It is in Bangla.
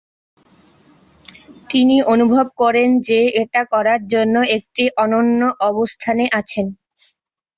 তিনি অনুভব করেন যে, এটা করার জন্য একটি অনন্য অবস্থানে আছেন।